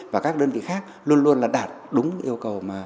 và các đơn vị khác luôn luôn là đạt đúng yêu cầu mà